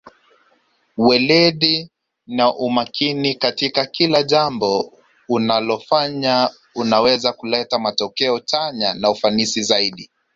weledi na umakini katika kila jambo unalofanya unaweza kuleta matokeo chanya na ufanisi zaidi